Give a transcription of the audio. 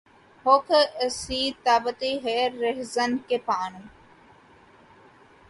ہو کر اسیر‘ دابتے ہیں‘ راہزن کے پانو